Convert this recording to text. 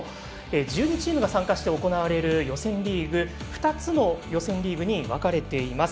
１２チームが参加して行われる予選リーグ、２つの予選リーグに分かれています。